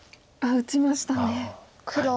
ああ打ちましたね。